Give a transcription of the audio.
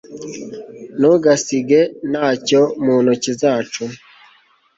ntugasige ntacyo mu ntoki zacu